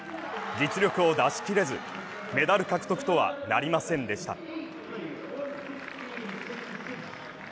実力を出しきれず、メダル獲得とはなりませんでした。